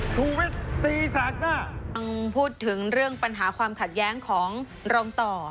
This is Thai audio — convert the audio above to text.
พูดถึงเรื่องปัญหาความขัดแย้งของรองต่อ